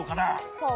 そう。